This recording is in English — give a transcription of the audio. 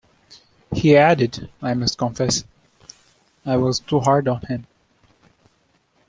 He added, I must confess..I was too hard on him.